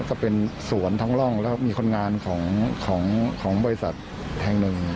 จะเป็นสวนทั้งร่องแล้วมีคนงานของของของบริษัทแทงหนึ่ง